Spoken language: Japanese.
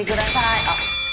あっ。